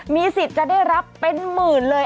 มีสิทธิ์จะได้รับเป็นหมื่นเลย